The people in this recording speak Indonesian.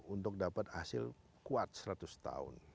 untuk dapat hasil kuat seratus tahun